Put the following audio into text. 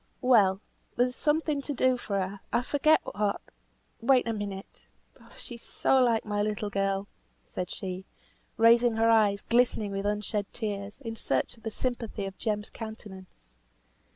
"Well, there's something to do for her; I forget what; wait a minute! She is so like my little girl;" said she, raising her eyes, glistening with unshed tears, in search of the sympathy of Jem's countenance.